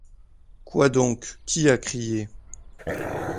Quoi donc? qui a crié ?